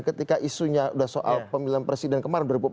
ketika isunya sudah soal pemilihan presiden kemarin dua ribu empat belas